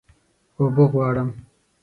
اوبه غواړم